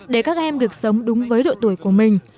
để các em được sống đúng với độ tuổi của mình